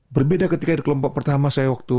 berbeda ketika di kelompok pertama saya waktu